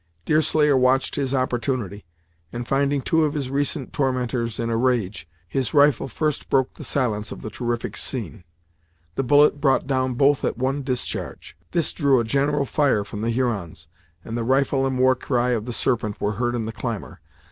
Deerslayer watched his opportunity, and finding two of his recent tormentors in a range, his rifle first broke the silence of the terrific scene. The bullet brought down both at one discharge. This drew a general fire from the Hurons, and the rifle and war cry of the Serpent were heard in the clamor.